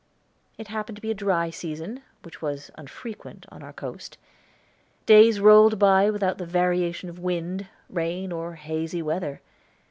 It happened to be a dry season, which was unfrequent on our coast. Days rolled by without the variation of wind, rain, or hazy weather.